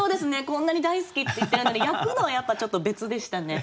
こんなに大好きって言ってるのに焼くのはやっぱちょっと別でしたね。